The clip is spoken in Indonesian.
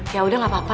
ya udah gak apa apa